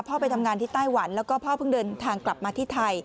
ไปทำงานที่ไต้หวันแล้วก็พ่อเพิ่งเดินทางกลับมาที่ไทย